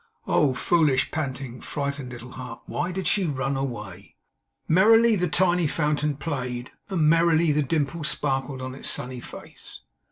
Oh! foolish, panting, frightened little heart, why did she run away! Merrily the tiny fountain played, and merrily the dimples sparkled on its sunny face.